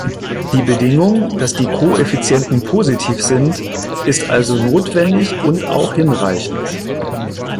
Die Bedingung, dass die Koeffizienten positiv sind, ist also notwendig und auch hinreichend.